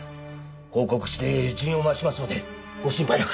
報告して人員を回しますのでご心配なく。